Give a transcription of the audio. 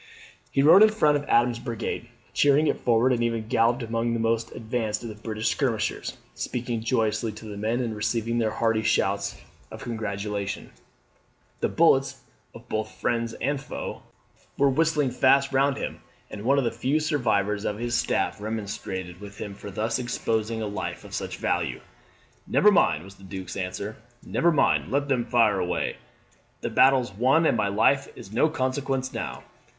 He rode in front of Adams's brigade, cheering it forward, and even galloped among the most advanced of the British skirmishers, speaking joyously to the men, and receiving their hearty shouts of congratulation. The bullets of both friends and foes were whistling fast round him; and one of the few survivors of his staff remonstrated with him for thus exposing a life of such value. "Never mind," was the Duke's answer; "Never mind, let them fire away; the battle's won, and my life is of no consequence now."